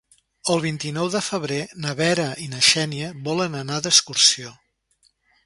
El vint-i-nou de febrer na Vera i na Xènia volen anar d'excursió.